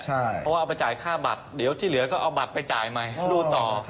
เพราะว่าเอาไปจ่ายค่าบัตรเดี๋ยวที่เหลือก็เอาบัตรไปจ่ายใหม่ให้ดูต่อ